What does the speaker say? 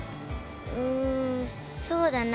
うんそうだな。